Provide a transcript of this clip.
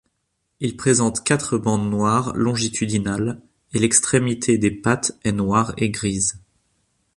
Ils présentent quatre bandes noires longitudinales, et l'extrémité des pattes est noire et grise.